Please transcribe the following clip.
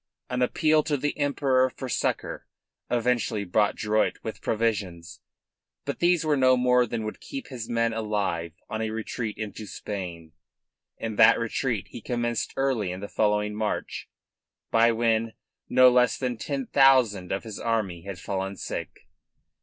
An appeal to the Emperor for succour eventually brought Drouet with provisions, but these were no more than would keep his men alive on a retreat into Spain, and that retreat he commenced early in the following March, by when no less than ten thousand of his army had fallen sick.